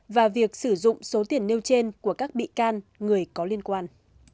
và việc sử dụng số tiền nêu trên của các bị can người có liên quan